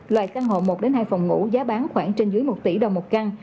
loại căn hộ một hai phòng ngủ giá bán khoảng trên dưới một tỷ đồng một căn